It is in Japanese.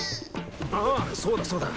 ああそうだそうだ。